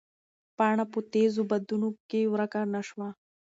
پاڼه په تېزو بادونو کې ورکه نه شوه.